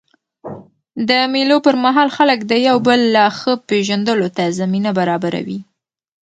د مېلو پر مهال خلک د یو بل لا ښه پېژندلو ته زمینه برابروي.